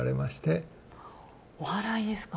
おはらいですか？